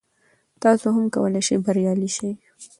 تاسو هم کولای شئ بریالي شئ.